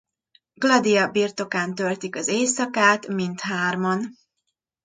Gladia birtokán töltik az éjszakát mindhárman.